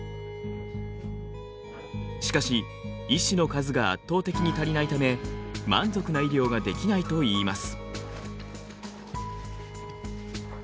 しかし医師の数が圧倒的に足りないため満足な医療ができないといいます。